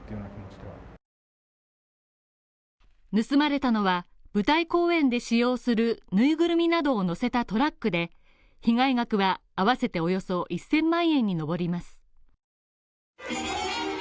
盗まれたのは、舞台公演で使用するぬいぐるみなどを載せたトラックで被害額は合わせておよそ１０００万円にのぼります